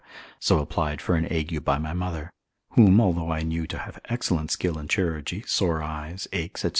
so applied for an ague by my mother; whom, although I knew to have excellent skill in chirurgery, sore eyes, aches, &c.